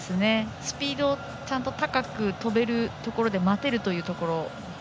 スピードをちゃんと高く跳べるところで待てるというところで